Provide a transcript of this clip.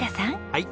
はい。